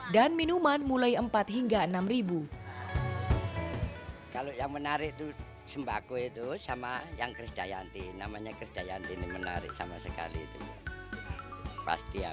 dan minuman mulai rp empat rp enam